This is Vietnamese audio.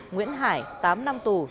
nguyễn hải tám năm tù